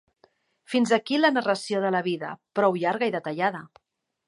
Fins aquí la narració de la vida, prou llarga i detallada.